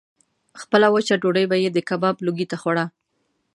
خپله وچه ډوډۍ به یې د کباب لوګي ته خوړه.